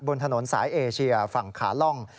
บนถนนสายเอเชียฝั่งขาล่อง